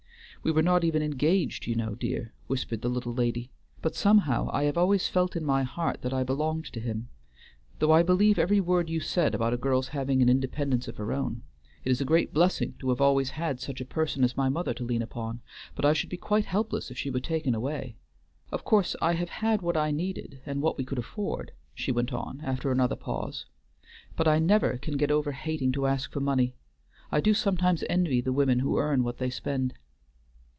"We were not even engaged you know, dear," whispered the little lady, "but somehow I have always felt in my heart that I belonged to him. Though I believe every word you said about a girl's having an independence of her own. It is a great blessing to have always had such a person as my mother to lean upon, but I should be quite helpless if she were taken away.... Of course I have had what I needed and what we could afford," she went on, after another pause, "but I never can get over hating to ask for money. I do sometimes envy the women who earn what they spend."